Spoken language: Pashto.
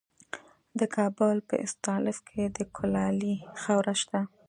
د کابل په استالف کې د کلالي خاوره شته.